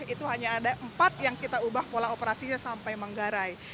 itu hanya ada empat yang kita ubah pola operasinya sampai manggarai